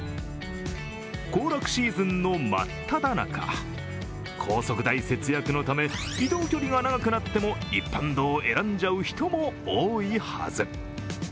行楽シーズンの真っただ中、高速代節約のため移動距離が長くなっても一般道を選んじゃう人も多いはず。